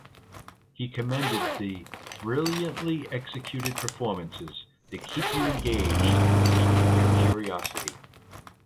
He commended the "brilliantly executed performances that keep you engaged and peak your curiosity".